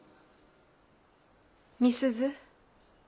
美鈴。